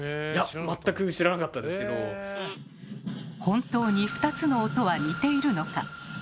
本当に２つの音は似ているのか。